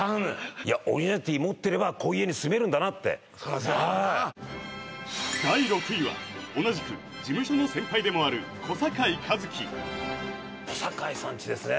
いやオリジナリティー持ってればこういう家に住めるんだなってそらそやろな第６位は同じく事務所の先輩でもある小堺一機小堺さんちですね